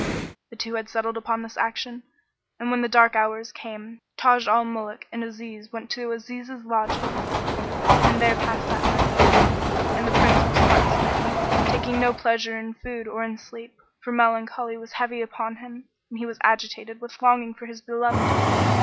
The two had settled upon this action; and when the dark hours came Taj al Muluk and Aziz went to Aziz's lodgings and there passed that night, and the Prince was heart smitten, taking no pleasure in food or in sleep; for melancholy was heavy upon him and he was agitated with longing for his beloved.